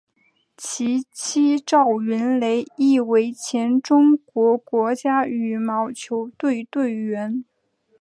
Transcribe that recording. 其妻赵芸蕾亦为前中国国家羽毛球队队员。